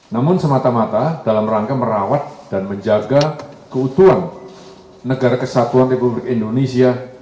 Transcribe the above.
namun semata mata dalam rangka merawat dan menjaga keutuhan negara kesatuan republik indonesia